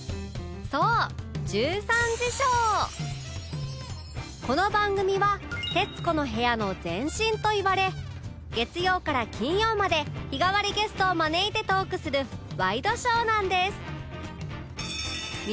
そうこの番組は『徹子の部屋』の前身といわれ月曜から金曜まで日替わりゲストを招いてトークするワイドショーなんです